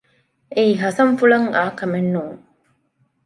އެއީ ހަސަންފުޅަށް އާކަމެއް ނޫން